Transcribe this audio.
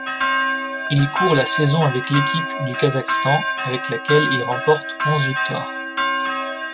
Il court la saison avec l'équipe du Kazakhstan, avec laquelle il remporte onze victoires.